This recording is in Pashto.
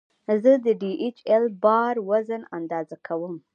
زه د ډي ایچ ایل بار وزن اندازه کوم.